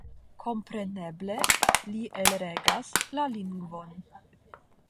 Kompreneble li elregas la lingvon.